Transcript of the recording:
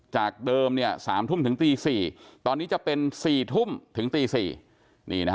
จากเดิม๓ทุ่มถึงตี๔ตอนนี้จะเป็น๔ทุ่มถึงตี๔